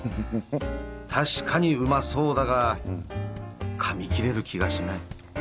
確かにうまそうだが噛み切れる気がしない